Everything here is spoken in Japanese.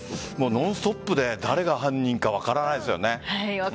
ノンストップで誰が犯人か分からないですよね。